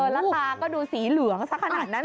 แล้วตาก็ดูสีเหลืองสักขนาดนั้น